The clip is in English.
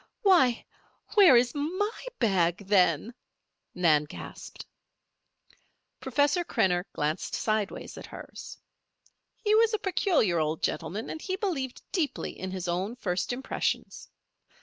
"Why! where where is my bag, then?" Nan gasped. Professor Krenner glanced sideways at her. He was a peculiar old gentleman, and he believed deeply in his own first impressions.